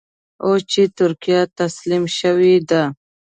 اوس چې ترکیه تسلیم شوې ده.